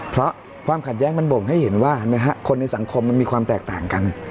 เพราะความขัดแย้งมันบ่งให้เห็นว่าคนในสังคมมันมีความแตกต่างกัน